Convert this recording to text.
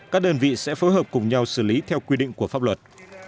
các đơn vị sẽ phối hợp cùng nhau xử lý theo quy định của pháp luật